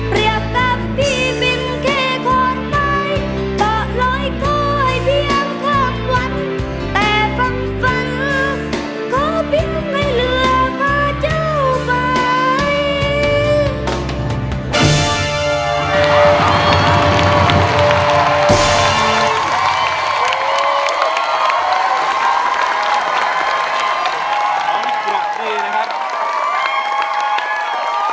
เรียบกับพี่เป็นแค่คนใหม่ต่อร้อยก็ให้เพียงข้างหวัด